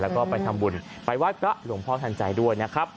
แล้วก็ไปทำบุญไปไหว้พระหลวงพ่อทันใจด้วยนะครับ